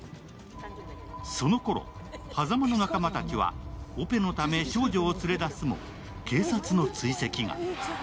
そのころ、波佐間の仲間たちはオペのため少女を連れ出すも警察の追跡が。